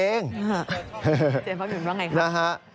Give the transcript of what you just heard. เจ๊บ้าบินว่าไงครับ